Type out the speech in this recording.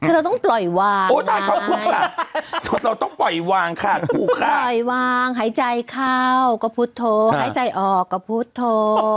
คือเราต้องปล่อยวางโอ้ตายขอบคุณค่ะเราต้องปล่อยวางค่ะปล่อยวางหายใจเข้าก็พุทธโธหายใจออกก็พุทธโธ